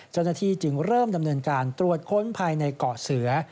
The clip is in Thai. เจ้าหน้าที่จึงเริ่มดำเนินการตรวจค้นภายในเกาะเสือ